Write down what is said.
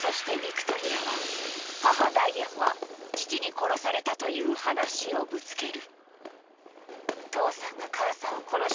そしてビクトリアは母ダイアンは父に殺されたという話をぶつける。